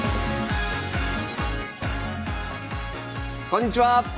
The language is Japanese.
こんにちは。